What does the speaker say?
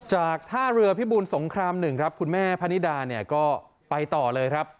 จากท่าเรือพิบูลสงคราม๑ครับคุณแม่พนิดาเนี่ยก็ไปต่อเลยครับ